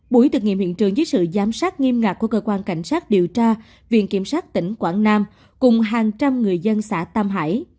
buổi thực nghiệm hiện trường dưới sự giám sát nghiêm ngạc của cơ quan cảnh sát điều tra viện kiểm sát tỉnh quảng nam cùng hàng trăm người dân xã tam hải